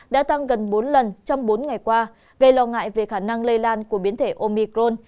đã tăng gần bốn lần trong bốn ngày qua gây lo ngại về khả năng lây lan của biến thể omicron